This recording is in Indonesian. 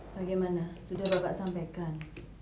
bagaimana sudah bapak sampaikan